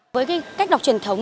với cách đọc truyền thông